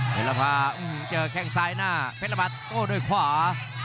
เพชรภาเจอแข้งซ้ายหน้าเพชรภาโดยขวา